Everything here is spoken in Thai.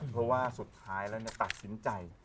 เพราะว่าสุดท้ายแล้วตัดสินใจ